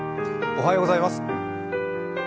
おはようございます。